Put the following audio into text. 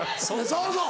そうそう。